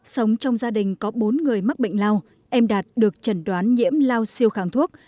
sống trong gia đình có bốn người mắc bệnh lao em đạt được chẩn đoán nhiễm lao siêu kháng thuốc